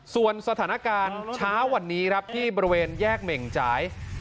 ส่วนสถานการณ์เช้าวันนี้ครับที่บริเวณแยกเหม่งจ่าย